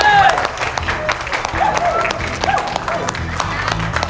wah bagus banget